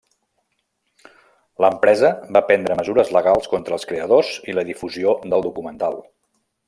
L'empresa va prendre mesures legals contra els creadors i la difusió del documental.